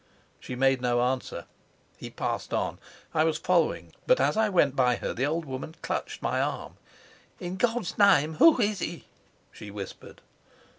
She made no answer. He passed on. I was following, but as I went by her the old woman clutched my arm. "In God's name, who is he?" she whispered.